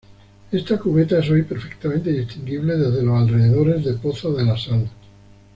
Esta cubeta es hoy perfectamente distinguible desde los alrededores de Poza de la Sal.